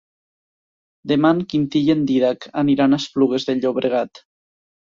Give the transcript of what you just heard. Demà en Quintí i en Dídac aniran a Esplugues de Llobregat.